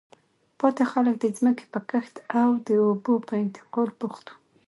پاتې خلک د ځمکې په کښت او د اوبو په انتقال بوخت وو.